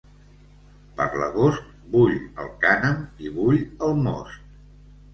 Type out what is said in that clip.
Per l'agost bull el cànem i bull el most.